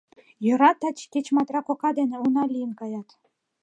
Йӧра, таче кеч Матра кока дене уна лийын каят.